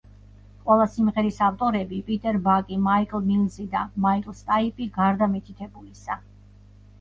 ყველა სიმღერის ავტორები: პიტერ ბაკი, მაიკ მილზი და მაიკლ სტაიპი, გარდა მითითებულისა.